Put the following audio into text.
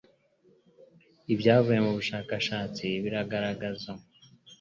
Ibyavuye mu bushakashatsi biragaragaza